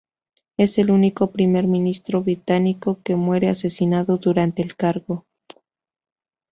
Es el único Primer ministro británico que muere asesinado durante el cargo.